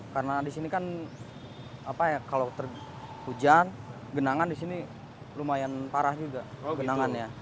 karena disini kan apa ya kalau terhujan genangan disini lumayan parah juga genangannya